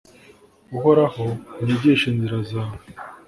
uhoraho, unyigishe inzira zawe